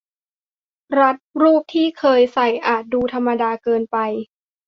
รัดรูปที่เคยใส่อาจดูธรรมดาเกินไป